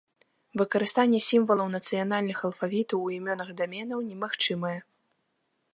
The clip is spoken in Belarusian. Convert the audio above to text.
Выкарыстанне сімвалаў нацыянальных алфавітаў у імёнах даменаў немагчымае.